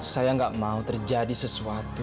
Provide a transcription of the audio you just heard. saya nggak mau terjadi sesuatu